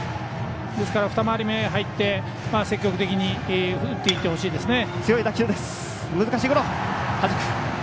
２回り目に入って積極的に打っていってほしいです。